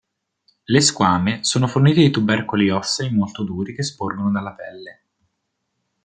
Le squame sono fornite di tubercoli ossei molto duri che sporgono dalla pelle.